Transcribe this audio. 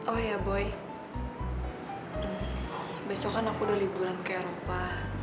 oh ya boy besok kan aku udah liburan ke eropa